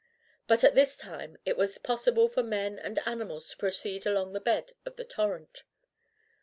But at this time it was possible for men and animals to proceed along the bed of the torrent.